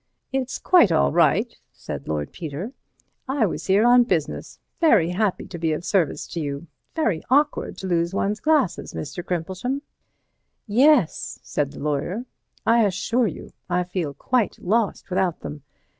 "It's quite all right," said Lord Peter. "I was here on business. Very happy to be of service to you. Very awkward to lose one's glasses, Mr. Crimplesham." "Yes," said the lawyer, "I assure you I feel quite lost without them.